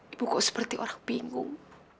ibu kok seperti orang bingung